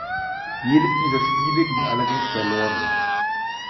Jedes dieser Spiele ging allerdings verloren.